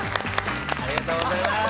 ありがとうございます。